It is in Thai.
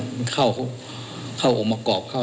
แต่เจ้าตัวก็ไม่ได้รับในส่วนนั้นหรอกนะครับ